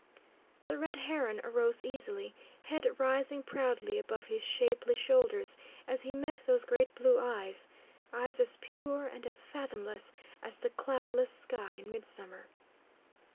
The Red Heron arose easily, head rising proudly above his shapely shoulders as he met those great blue eyes, eyes as pure and as fathomless as the cloudless sky in midsummer.